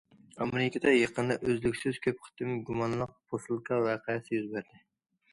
ئامېرىكىدا يېقىندا ئۈزلۈكسىز كۆپ قېتىم گۇمانلىق پوسۇلكا ۋەقەسى يۈز بەردى.